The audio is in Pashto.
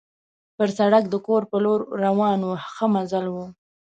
پر سړک د کور په لور روان وو، ښه مزل وو.